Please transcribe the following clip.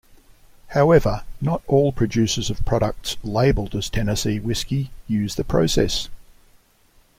However, not all producers of products labelled as Tennessee Whiskey use the process.